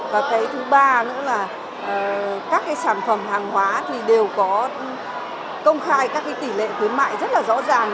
và cái thứ ba nữa là các cái sản phẩm hàng hóa thì đều có công khai các cái tỷ lệ khuyến mại rất là rõ ràng